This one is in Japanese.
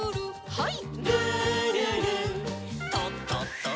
はい。